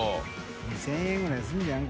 ２０００円ぐらいするんじゃん？